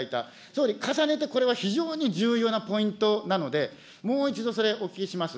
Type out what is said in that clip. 総理、重ねてこれは非常に重要なポイントなので、もう一度、それ、お聞きします。